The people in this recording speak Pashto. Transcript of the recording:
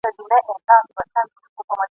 بس دا یوه شپه سره یوازي تر سبا به سو !.